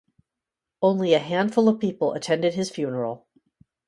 Only a handful of people attended his funeral.